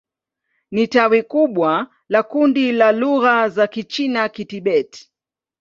Ni tawi kubwa la kundi la lugha za Kichina-Kitibet.